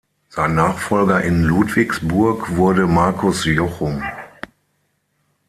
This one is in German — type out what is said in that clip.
Sein Nachfolger in Ludwigsburg wurde Markus Jochum.